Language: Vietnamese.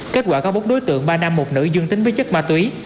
kết quả có bốn đối tượng ba nam một nữ dương tính với chất ma túy